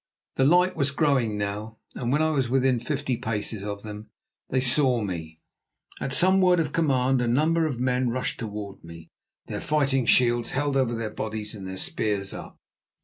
The light was growing now, and when I was within fifty paces of them they saw me. At some word of command a number of men rushed toward me, their fighting shields held over their bodies and their spears up.